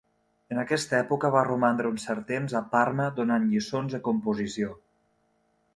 En aquesta època va romandre un cert temps a Parma donant lliçons de composició.